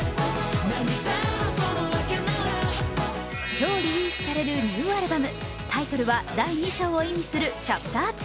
今日リリースされるニューアルバムタイトルは、第２章を意味する「ＣｈａｐｔｅｒⅡ」。